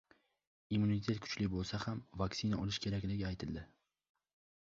Immunitet kuchli bo‘lsa ham vaktsina olish kerakligi aytildi